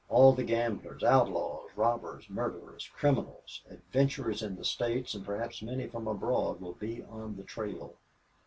All the gamblers, outlaws, robbers, murderers, criminals, adventurers in the States, and perhaps many from abroad, will be on the trail.